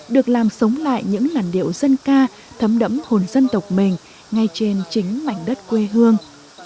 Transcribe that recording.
được làm sống lại những làn điệu dân ca thấm đẫm hồn dân tộc mình ngay trên chính mảnh đất quê hương